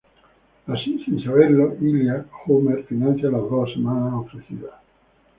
Así, sin saberlo Ilya, Homer financia las dos semanas ofrecidas.